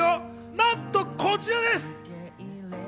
なんとこちらです！